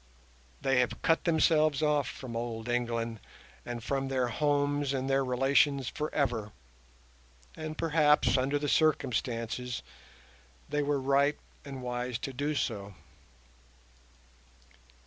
They have cut themselves off from old England and from their homes and their relations for ever, and perhaps, under the circumstances, they were right and wise to do so.